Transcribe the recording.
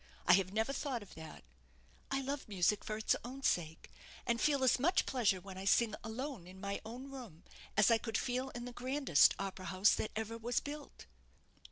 I have never thought of that I love music for its own sake, and feel as much pleasure when I sing alone in my own room, as I could feel in the grandest opera house that ever was built."